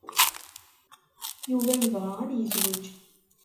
Yuba yebɣa ad yezweǧ.